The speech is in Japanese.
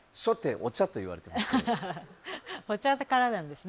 お茶からなんですね。